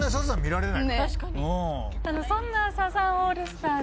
そんなサザンオールスターズ